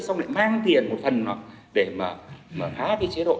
xong lại mang tiền một phần để mà phá cái chế độ